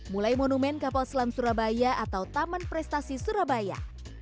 mulai monumen kapal selam surabaya atau taman prestasi surabaya